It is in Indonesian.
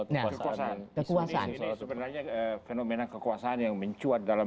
soal kekuasaan sebenarnya fenomena kekuasaan yang mencuat dalam